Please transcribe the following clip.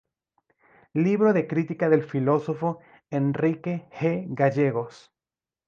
Libro de crítica del filósofo Enrique G. Gallegos.